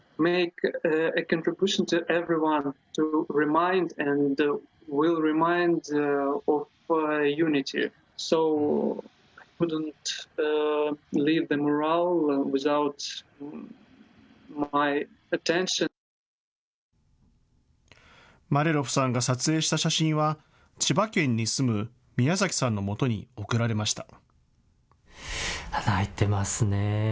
マリャロフさんが撮影した写真は千葉県に住むミヤザキさんのもとに送られました。